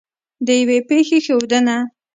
د یوې پېښې ښودنه